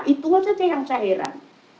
itu saja yang saya heran